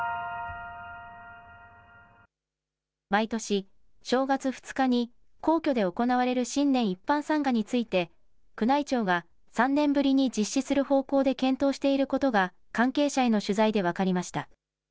毎年、正月２日に皇居で行われる新年一般参賀について宮内庁が３年ぶりに実施する方向で検討していることが関係者への取材で分かりました。